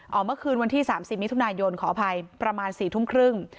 เอาเมื่อคืนวันที่๓๐มิถุนายนขออภัยประมาณ๔ทุ่มครึ่ง